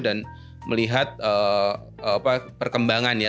dan melihat perkembangan ya